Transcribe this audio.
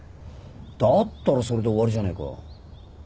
だったらそれで終わりじゃねえか。